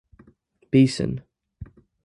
Beeson.